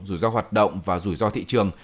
rủi ro hoạt động và rủi ro thị trường